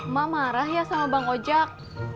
emak marah ya sama bang ojak